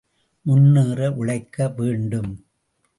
முன்னேற உழைக்க வேண்டும்.